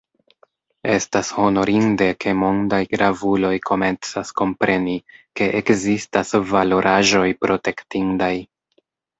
Estas honorinde, ke mondaj gravuloj komencas kompreni, ke ekzistas valoraĵoj protektindaj.